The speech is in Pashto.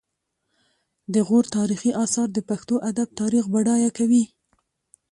د غور تاریخي اثار د پښتو ادب تاریخ بډایه کوي